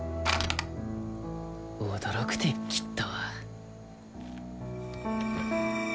驚くてきっと。